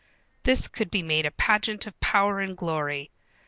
This could be made a pageant of power and glory.